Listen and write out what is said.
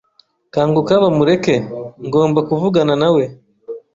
Kanguka, Bamureke. Ngomba kuvugana nawe.